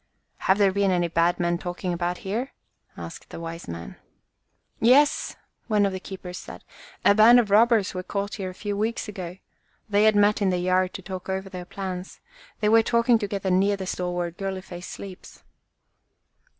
Have there been any bad men talking about here?" asked the wise man. "Yes," one of the keepers said, "a band of robbers were caught here a few weeks ago. They had met in the yard to talk over their plans. They were talking together near the stall where Girly face sleeps."